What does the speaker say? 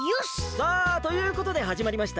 さあということではじまりました